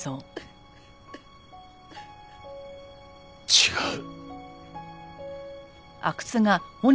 違う。